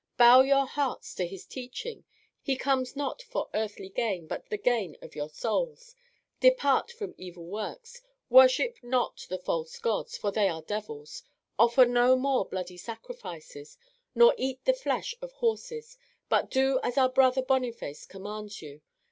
Bow your hearts to his teaching. He comes not for earthly gain, but for the gain of your souls. Depart from evil works. Worship not the false gods, for they are devils. Offer no more bloody sacrifices, nor eat the flesh of horses, but do as our Brother Boniface commands you.